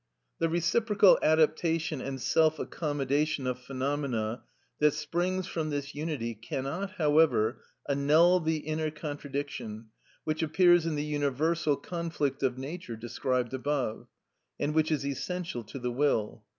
The reciprocal adaptation and self accommodation of phenomena that springs from this unity cannot, however, annul the inner contradiction which appears in the universal conflict of nature described above, and which is essential to the will.